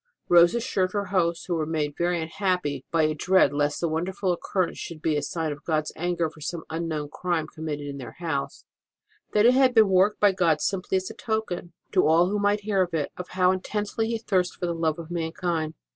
Rose assured her hosts, who were made very unhappy by a dread lest the wonderful occurrence should be a sign of God s anger for some unknown crime com mitted in their house, that it had been worked by God simply as a token, to all who might hear HOW ROSE OF ST. MARY DIED 173 of it, of how intensely He thiisted for the love of mankind.